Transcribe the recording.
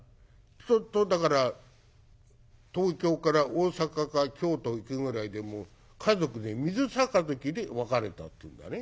ちょっとだから東京から大阪か京都行くぐらいでも家族で水杯で別れたっていうんだね。